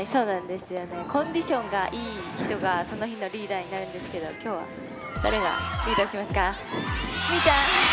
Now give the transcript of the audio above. コンディションがいい人がその日のリーダーになるんですけど今日は、誰がリーダーしますか？